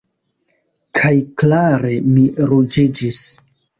Kaj klare mi ruĝiĝis.